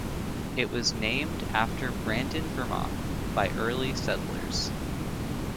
It was named after Brandon, Vermont, by early settlers.